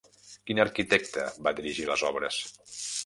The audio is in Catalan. Quin arquitecte va dirigir les obres?